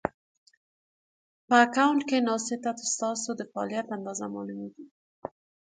په اکونټ کې ناسې ته ستاسې د فعالیت اندازه مالومېږي